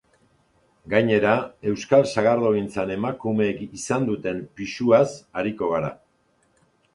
Gainera, euskal sagardogintzan emakumeek izan duten pisuaz ariko gara.